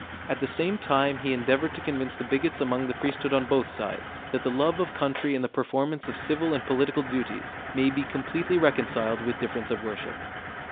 At the same time he endeavored to convince the bigots among the priesthood on both sides, that the love of country and the performance of civil and political duties may be completely reconciled with difference of worship.